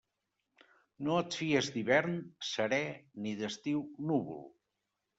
No et fies d'hivern serè ni d'estiu núvol.